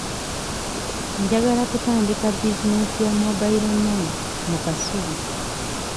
Njagala kutandika bizinensi ya mobile money mu Kasubi.